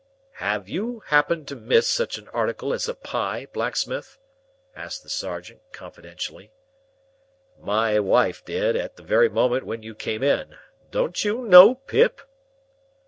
"Have you happened to miss such an article as a pie, blacksmith?" asked the sergeant, confidentially. "My wife did, at the very moment when you came in. Don't you know, Pip?"